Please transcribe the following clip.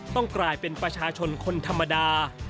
กลายเป็นประชาชนคนธรรมดา